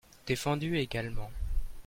Défendu également.